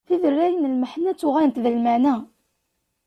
Tiderray n lmeḥna ttuɣalent d lmeɛna.